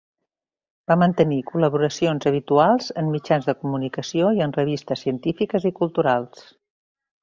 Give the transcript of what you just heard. Va mantenir col·laboracions habituals en mitjans de comunicació, i en revistes científiques i culturals.